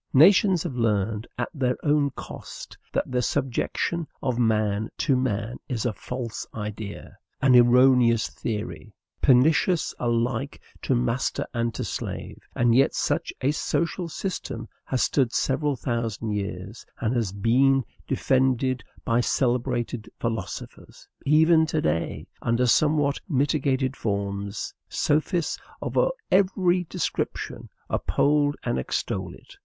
Nations have learned at their own cost that the subjection of man to man is a false idea, an erroneous theory, pernicious alike to master and to slave. And yet such a social system has stood several thousand years, and has been defended by celebrated philosophers; even to day, under somewhat mitigated forms, sophists of every description uphold and extol it.